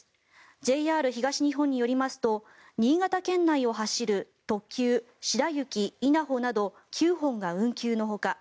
ＪＲ東日本によりますと新潟県内を走る特急しらゆき、いなほなど９本が運休のほか